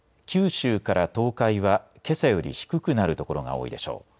九州から東海はけさより低くなる所が多いでしょう。